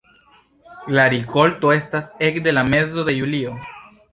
La rikolto estas ekde la mezo de julio.